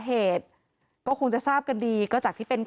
เพราะทนายอันนันชายเดชาบอกว่าจะเป็นการเอาคืนยังไง